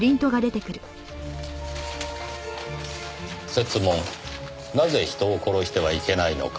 「設問なぜ人を殺してはいけないのか？」